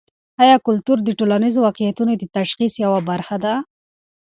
ایا کلتور د ټولنیزو واقعیتونو د تشخیص یوه برخه ده؟